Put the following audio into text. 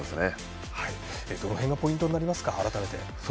どの辺がポイントになりますか。